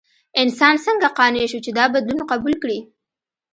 انسان څنګه قانع شو چې دا بدلون قبول کړي؟